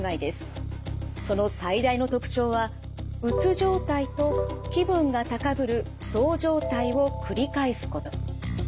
その最大の特徴はうつ状態と気分が高ぶるそう状態を繰り返すこと。